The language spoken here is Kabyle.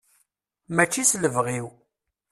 Mačči s lebɣi-iw.